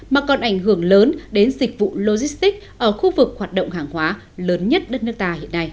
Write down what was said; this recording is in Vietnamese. mà còn ảnh hưởng lớn đến dịch vụ logistic ở khu vực hoạt động hàng hóa